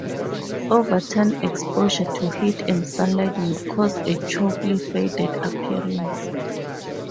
Over time exposure to heat and sunlight would cause a chalky faded appearance.